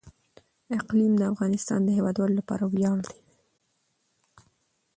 اقلیم د افغانستان د هیوادوالو لپاره ویاړ دی.